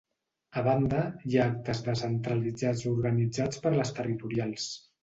A banda, hi ha actes descentralitzats organitzats per les territorials.